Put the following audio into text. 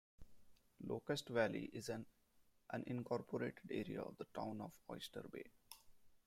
Locust Valley is an unincorporated area of the Town of Oyster Bay.